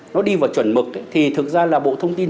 nó đi vào chuẩn mực thì thực ra là bộ thông tin